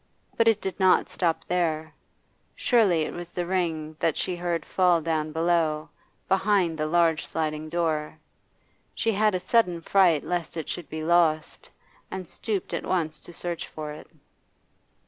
But it did not stop there; surely it was the ring that she heard fall down below, behind the large sliding door. She had a sudden fright lest it should be lost, and stooped at once to search for it.